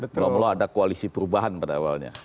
belum mulai ada koalisi perubahan pada awalnya